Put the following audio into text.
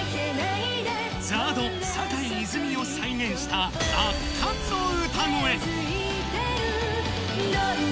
ＺＡＲＤ・坂井泉水を再現した圧巻の歌声。